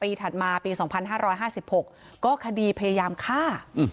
ถัดมาปี๒๕๕๖ก็คดีพยายามฆ่า